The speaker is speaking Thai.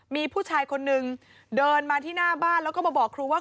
มีผู้ชายคนนึงเดินมาที่หน้าบ้านแล้วก็มาบอกครูว่า